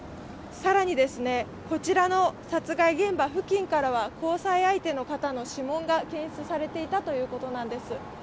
更に、こちらの殺害現場付近からは交際相手の方の指紋が検出されていたということなんです。